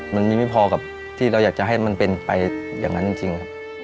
มันมีไม่พอกับที่เราอยากจะให้มันเป็นไปอย่างนั้นจริงครับ